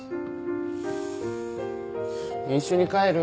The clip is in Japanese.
一緒に帰る？